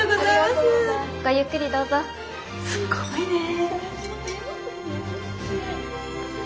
すごいね。